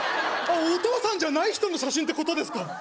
お父さんじゃない人の写真ってことですか？